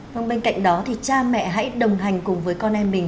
vâng bên cạnh đó thì cha mẹ hãy đồng hành cùng với con em mình